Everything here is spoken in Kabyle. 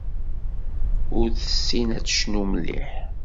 Ur tessin ad tecnu mliḥ.